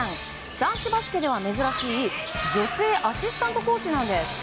男子バスケでは珍しい女性アシスタントコーチなんです。